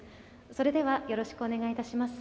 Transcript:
それではよろしくお願いいたします。